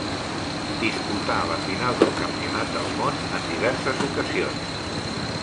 Disputà la final del campionat del món en diverses ocasions.